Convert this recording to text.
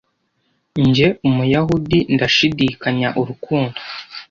njye umuyahudi ndashidikanya urukundo